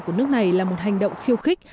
của nước này là một hành động khiêu khích